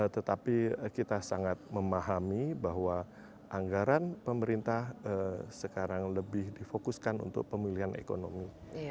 tetapi kita sangat memahami bahwa anggaran pemerintah sekarang lebih difokuskan untuk pemilihan ekonomi